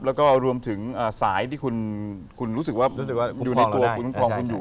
แล้วก็รวมถึงสายที่คุณรู้สึกว่าดูในตัวคุณความคุณอยู่